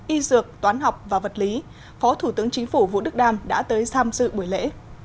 y dược toán học và vật lý phó thủ tướng chính phủ vũ đức đam đã tới tham dự buổi lễ